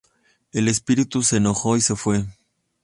El espíritu se enojó y se fue.